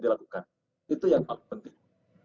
dilakukan itu yang paling penting